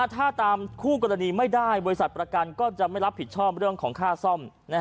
ถ้าตามคู่กรณีไม่ได้บริษัทประกันก็จะไม่รับผิดชอบเรื่องของค่าซ่อม